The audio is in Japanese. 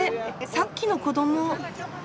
さっきの子ども。